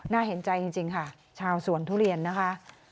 เห็นใจจริงค่ะชาวสวนทุเรียนนะคะ